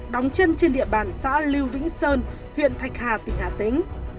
đóng chân trên địa bàn xã lưu vĩnh sơn huyện thạch hà tỉnh hà tĩnh